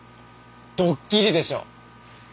どっきりでしょ？